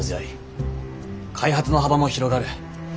開発の幅も広がる。